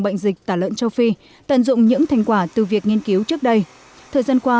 bệnh dịch tả lợn châu phi tận dụng những thành quả từ việc nghiên cứu trước đây thời gian qua